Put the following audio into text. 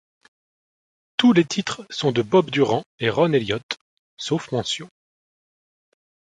Tous les titres sont de Bob Durand et Ron Elliott, sauf mentions.